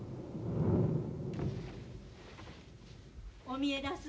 お見えだす。